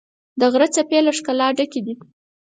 د غره څپې له ښکلا ډکې دي.